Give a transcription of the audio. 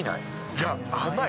いや、甘い。